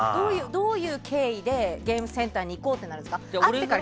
どういう経緯でゲームセンターに行こうってなるんですか？